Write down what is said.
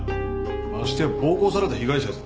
ましてや暴行された被害者やぞ。